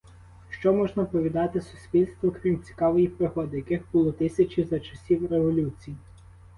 Що можна повідати суспільству, крім цікавої пригоди, яких було тисячі за часів революції?